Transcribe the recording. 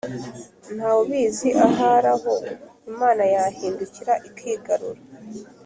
Nta wubizi ahari aho Imana yahindukira ikigarura